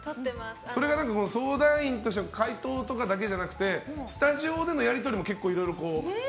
それが相談員としての回答とかだけじゃなくてスタジオでのやり取りも結構いろいろ。